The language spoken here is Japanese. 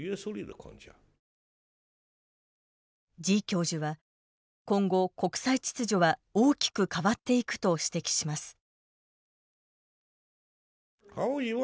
時教授は、今後、国際秩序は大きく変わっていくと指摘します。